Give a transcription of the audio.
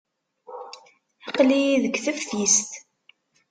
Aql-iyi deg teftist.